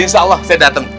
insya allah saya dateng